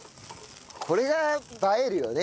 これが映えるよね。